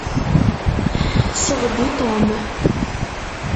Sɣed i Tom.